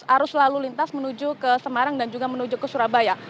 arus lalu lintas menuju ke semarang dan juga menuju ke surabaya